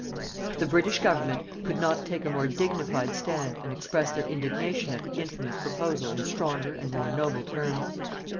The British Government could not take a more dignified stand and express their indignation at the infamous proposal in stronger and more noble terms.